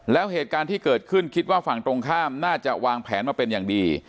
แล้วเหตุการณ์ที่เกิดขึ้นคิดว่าฝั่งตรงข้ามน่าจะวางแผนมาเป็นอย่างดี